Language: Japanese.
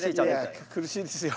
苦しいですよ。